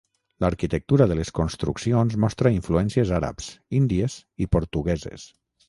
L'arquitectura de les construccions mostra influències àrabs, índies i portugueses.